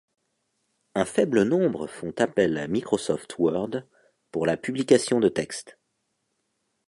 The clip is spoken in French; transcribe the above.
Un faible nombre font appel à Microsoft Word pour la publication de textes.